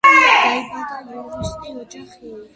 დაიბადა იურისტის ოჯახში.